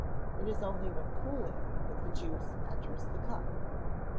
It is only when cooling that the juice enters the cup.